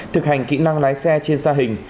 thực hành kỹ năng lái xe trên xa hình